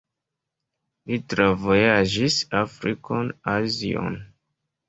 Li travojaĝis Afrikon, Azion.